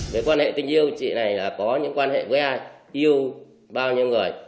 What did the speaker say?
với quan hệ tình yêu chị này là có những quan hệ với ai yêu bao nhiêu người